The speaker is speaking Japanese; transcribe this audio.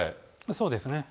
そうですね。